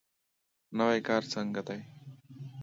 نوی کار څنګه دی؟